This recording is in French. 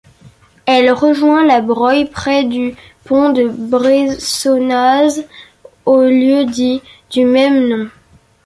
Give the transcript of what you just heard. Elle rejoint la Broye près du pont de Bressonnaz au lieu-dit du même nom.